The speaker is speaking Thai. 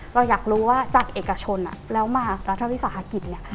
เราอยากรู้ว่าจากเอกชนแล้วมารัฐวิสาหกิจเนี่ย